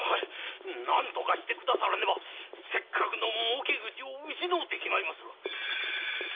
何とかせねばせっかくの儲け口を失うてしまいます！